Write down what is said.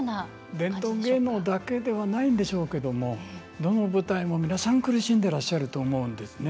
伝統芸能だけではないんでしょうけどもどの舞台も皆さん苦しんでいらっしゃると思うんですね。